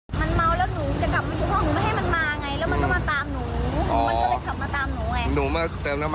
มันเมาแล้วหนูจะกลับมาช่วยเพราะหนูไม่ให้มันมาไง